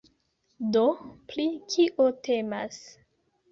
Do pri kio temas?